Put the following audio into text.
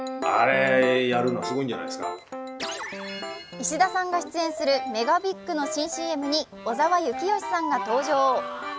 石田さんが出演するＭＥＧＡＢＩＧの新ＣＭに小澤征悦さんが登場。